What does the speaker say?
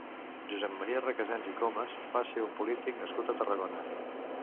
Josep Maria Recasens i Comes va ser un polític nascut a Tarragona.